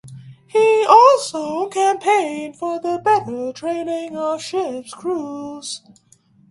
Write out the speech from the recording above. He also campaigned for the better training of ships crews.